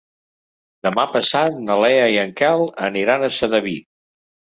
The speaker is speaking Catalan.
Demà passat na Lea i en Quel aniran a Sedaví.